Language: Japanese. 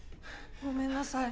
ごめんなさい。